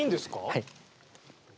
はい。